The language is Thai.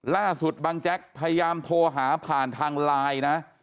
ล่าสุดบังแจ๊กพยายามโทรหาผ่านทางไลน์นะ